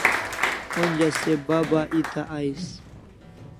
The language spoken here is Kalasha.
Onja se Baba eta ais